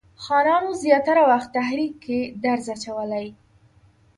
خانانو زیاتره وخت تحریک کې درز اچولی.